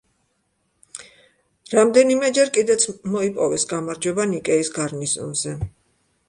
რამდენიმეჯერე კიდეც მოიპოვეს გამარჯვება ნიკეის გარნიზონზე.